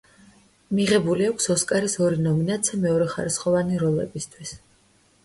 მიღებული აქვს ოსკარის ორი ნომინაცია მეორეხარისხოვანი როლებისთვის.